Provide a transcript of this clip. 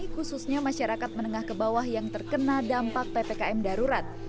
khususnya masyarakat menengah ke bawah yang terkena dampak ppkm darurat